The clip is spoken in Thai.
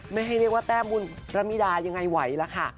ไม่ให้เรียกว่าแต้มบุญระมิดายังไงไหวล่ะค่ะ